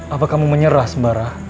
apa kamu menyerah sembara